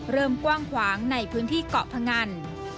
เริ่มกว้างขวางในพื้นที่เกาะพงัน